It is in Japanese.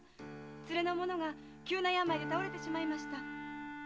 連れの者が急な病で倒れてしまいました。